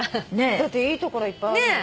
だっていいところいっぱいあるもんね。